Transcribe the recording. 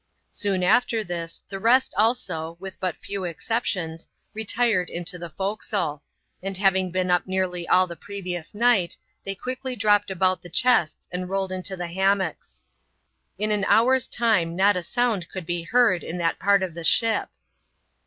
Soon after this, the rest also, with but few exceptions, retired into the forecastle ; and having been up nearly all the previous night, they quickly dropped about the chests and rolled into ' the hammocks. Li an hour's time not a sound could be heard in that part of the ship.